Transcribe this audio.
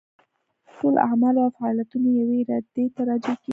ټول اعمال او فاعلیتونه یوې ارادې ته راجع کېږي.